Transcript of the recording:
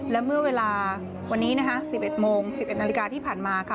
และเมื่อเวลาวันนี้นะคะ๑๑โมง๑๑นาฬิกาที่ผ่านมาค่ะ